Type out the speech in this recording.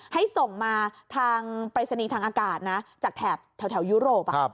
ให้ส่งมาทางปรายศนีย์ทางอากาศนะจากแถบแถวยุโรป